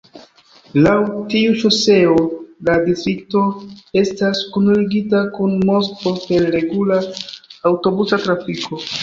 Laŭ tiu ŝoseo la distrikto estas kunligita kun Moskvo per regula aŭtobusa trafiko.